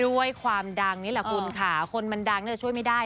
ด้วยความดังนี่แหละคุณค่ะคนมันดังช่วยไม่ได้